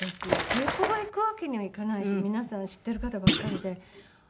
稽古場行くわけにはいかないし皆さん知ってる方ばっかりで。